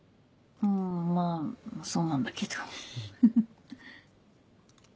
うんまぁそうなんだけどフフ。